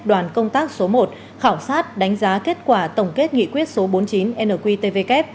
đoàn công tác số một khảo sát đánh giá kết quả tổng kết nghị quyết số bốn mươi chín nqtvk